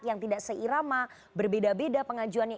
yang tidak seirama berbeda beda pengajuannya